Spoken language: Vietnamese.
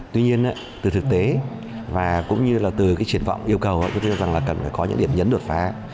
tuy nhiên từ thực tế và cũng như là từ cái triển vọng yêu cầu tôi tin rằng là cần phải có những điểm nhấn đột phá